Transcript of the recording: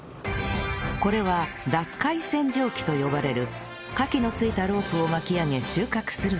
これは脱貝洗浄機と呼ばれるカキの付いたロープを巻き上げ収穫する機械